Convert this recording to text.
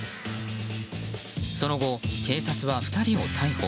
その後、警察は２人を逮捕。